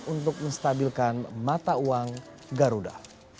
untuk menstabilkan mata uang garuda